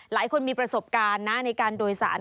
หลายคนมีประสบการณ์นะในการโดยสาร